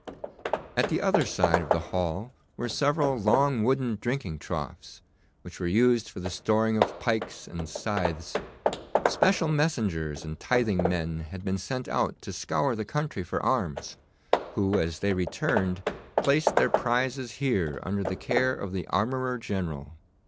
At the other side of the hall were several long wooden drinking troughs, which were used for the storing of pikes and scythes. Special messengers and tithing men had been sent out to scour the country for arms, who, as they returned, placed their prizes here under the care of the armourer general.